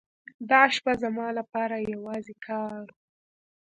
دا شپه زما لپاره یوازې کار و.